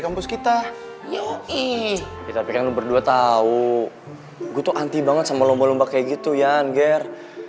kampus kita yoi kita pikirkan berdua tahu butuh anti banget sama lomba lomba kayak gitu ya angger